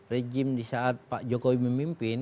rejim disaat pak jokowi memimpin